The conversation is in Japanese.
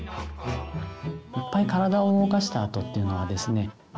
いっぱい体を動かしたあとっていうのはですね